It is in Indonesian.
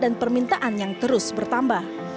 dan permintaan yang terus bertambah